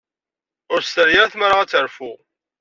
Ur tt-terri ara tmara ad terfu.